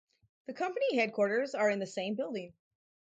The company headquarters are in the same building.